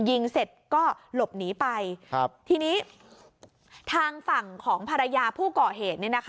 ยิงเสร็จก็หลบหนีไปทีนี้ทางฝั่งของภรรยาผู้ก่อเหตุ